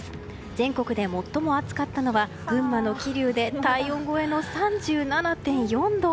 全国で最も暑かったのは群馬の桐生で体温超えの３７．４度。